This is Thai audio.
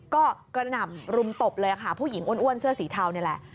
ก็กระหน่ำรุมตบเลยค่ะผู้หญิงอ้วนเสื้อสีเทานี่แหละ